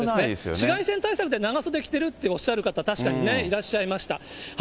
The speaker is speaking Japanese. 紫外線対策で長袖着てるって方、確かにね、いらっしゃいました。